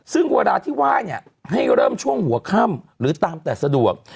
ซึ่งเวลาที่ไหว้เนี่ยให้เริ่มช่วงหัวค่ำหรือตามแต่สะดวก